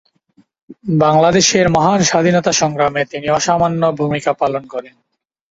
বাংলাদেশের মহান স্বাধীনতা সংগ্রামে তিনি অসামান্য ভূমিকা পালন করেন।